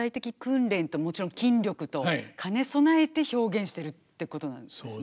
もちろん筋力と兼ね備えて表現してるってことなんですね。